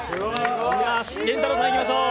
りんたろーさん、いきましょう。